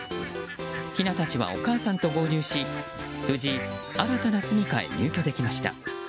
ひなたちはお母さんと合流し無事、新たなすみかへ入居できました。